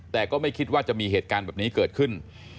แต่ก็ไม่คิดว่าจะมีเหตุการณ์แบบนี้เกิดขึ้น